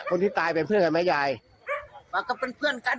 คนที่ตายเป็นเพื่อนกันไหมยายมาก็เป็นเพื่อนกัน